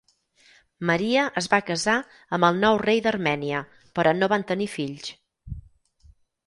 Maria es va casar amb el nou rei d"Armènia però no van tenir fills.